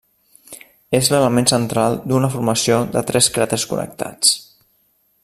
És l'element central d'una formació de tres cràters connectats.